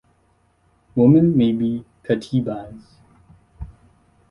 Women may be khateebahs.